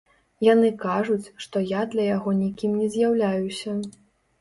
Яны кажуць, што я для яго нікім не з'яўляюся.